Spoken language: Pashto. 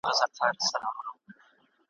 زما توجه ور واړوله `